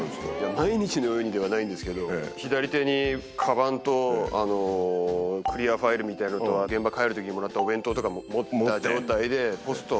毎日のようにではないんですけど、左手にかばんとクリアファイルみたいなのと、現場帰るときにもらったお弁当とか持った状態で、ポスト、